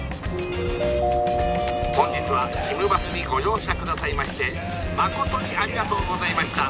「本日はひむバスにご乗車下さいましてまことにありがとうございました。